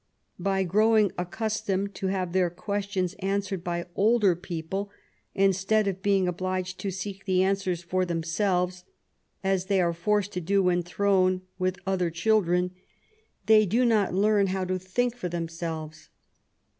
By growing ac customed to have their questions answered by older people instead of being obliged to seek the answers for themselves, as they are forced to do when thrown with other children, they do not learn how to think for themselves.